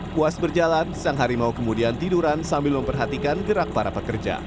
puas berjalan sang harimau kemudian tiduran sambil memperhatikan gerak para pekerja